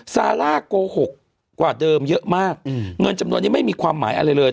ซาร่าโกหกกว่าเดิมเยอะมากเงินจำนวนนี้ไม่มีความหมายอะไรเลย